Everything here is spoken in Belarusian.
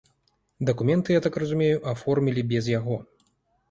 Дакументы, я так разумею, аформілі без яго.